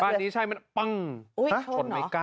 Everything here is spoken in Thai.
บ้านนี้ใช่มั้ยปังชนไม่กั้น